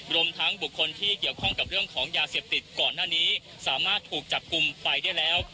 รวมทั้งบุคคลที่เกี่ยวข้องกับเรื่องของยาเสพติดก่อนหน้านี้สามารถถูกจับกลุ่มไปได้แล้ว